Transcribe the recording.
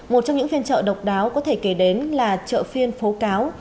một trong những phiên chợ độc đáo có thể kể đến là chợ phiên phố cáo